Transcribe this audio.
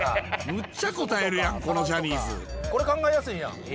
むっちゃ答えるやん、このジこれ考えやすいやん。